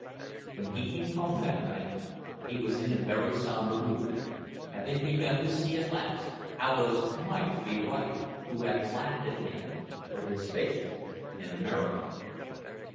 When he came home that night he was in a very somber mood, having begun to see at last how those might be right who had laughed at him for his faith in America.